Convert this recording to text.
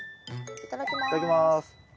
いただきます。